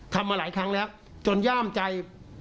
มาหลายครั้งแล้วจนย่ามใจ